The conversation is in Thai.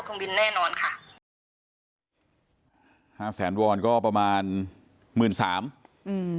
บินแน่นอนค่ะห้าแสนวอนก็ประมาณหมื่นสามอืม